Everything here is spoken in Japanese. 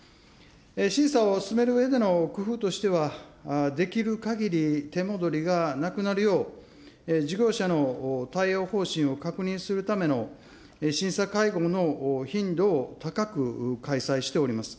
審査を進めるうえでの工夫としては、できるかぎり手戻りがなくなるよう、事業者の対応方針を確認するために、審査会合の頻度を高く開催しております。